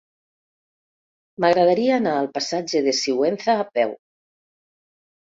M'agradaria anar al passatge de Sigüenza a peu.